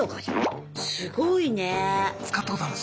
すごいね。